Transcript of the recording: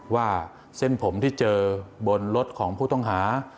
ว่าเส้นผมที่เจอบนรถของผู้ต้องหา